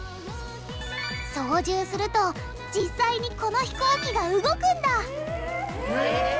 操縦すると実際にこの飛行機が動くんだえ！